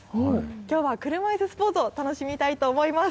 きょうは車いすスポーツを楽しみたいと思います。